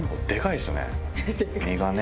身がね。